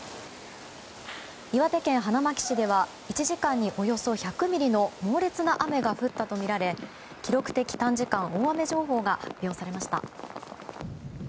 岩手県花巻市では１時間におよそ１００ミリの猛烈な雨が降ったとみられ記録的短時間大雨情報が発表されました。